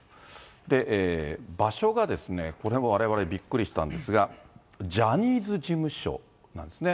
で、場所がですね、これ、われわれびっくりしたんですが、ジャニーズ事務所なんですね。